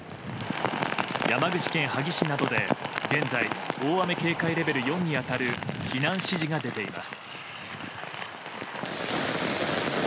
山口県萩市などで現在、大雨警戒レベル４に当たる避難指示が出ています。